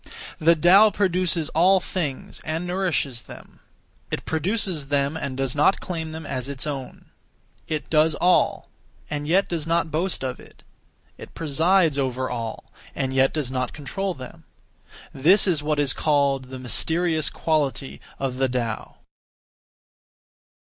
(The Tao) produces (all things) and nourishes them; it produces them and does not claim them as its own; it does all, and yet does not boast of it; it presides over all, and yet does not control them. This is what is called 'The mysterious Quality' (of the Tao).